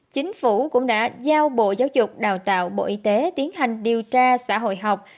chính phủ cũng đã giao bộ giáo dục đào tạo bộ y tế tiến hành điều tra xã hội học